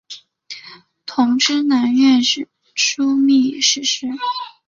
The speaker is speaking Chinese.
同知南院枢密使事。